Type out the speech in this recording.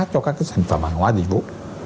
cho các cái sản phẩm hàng hóa dịch vụ